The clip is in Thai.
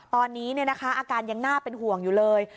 ตอนนี้อาการยังน่าเป็นห่วงอยู่เลย